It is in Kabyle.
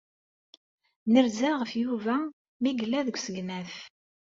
Nerza ɣef Yuba mi yella deg usegnaf.